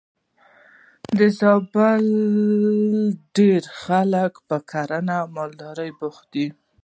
د زابل ډېری خلک په کرنه او مالدارۍ بوخت دي.